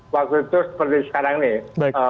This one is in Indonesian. waktu itu seperti sekarang nih